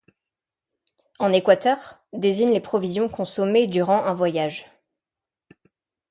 En Équateur, ' désigne les provisions consommées durant un voyage.